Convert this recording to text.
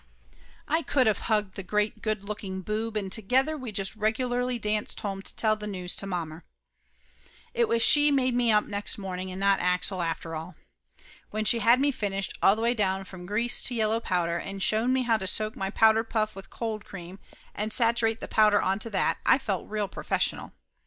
I could of hugged the great good looking boob, and together we just regularly danced home to tell the news to mommer. It was she made me up next morning, and not Axel, Laughter Limited 131 after all. When she had me finished, all the way from grease to yellow powder, and shown me how to soak my powder puff with cold cream and saturate the powder onto that, I felt real professional.